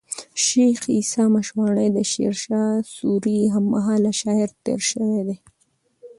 شېخ عیسي مشواڼى د شېرشاه سوري هم مهاله شاعر تېر سوی دئ.